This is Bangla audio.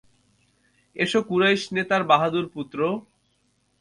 এসো কুরাইশ নেতার বাহাদুর পুত্র।